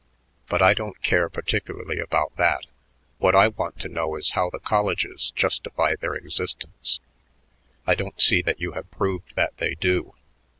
But I don't care particularly about that. What I want to know is how the colleges justify their existence. I don't see that you have proved that they do."